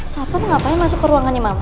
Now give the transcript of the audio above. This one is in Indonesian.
satpam ngapain masuk ke ruangannya mama